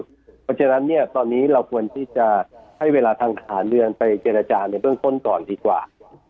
เพราะฉะนั้นเนี่ยตอนนี้เราควรที่จะให้เวลาทางทหารเรือนไปเจรจาในเบื้องต้นก่อนดีกว่า